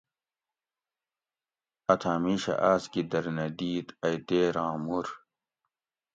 اتھاں میشہ آۤس گی درینہ دِیت اۓ دیراں مُر